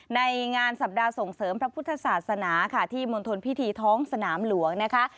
ในงานสัปดาห์ส่งเสริมพระพุทธศาสนาค่ะที่มณฑลพิธีท้องสนามหลวงนะคะ